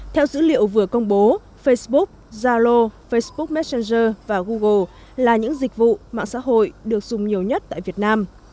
theo dữ liệu vừa công bố facebook zalo facebook messenger và google là những dịch vụ mạng xã hội được dùng nhiều nhất tại việt nam